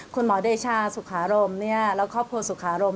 เดชาสุขารมและครอบครัวสุขารม